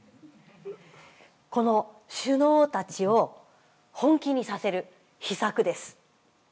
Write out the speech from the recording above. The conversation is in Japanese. この首脳たちを本気にさせる秘策です。